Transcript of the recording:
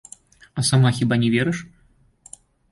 А сама хіба не верыш?